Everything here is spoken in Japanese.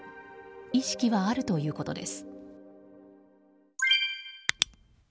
意識はあるということです。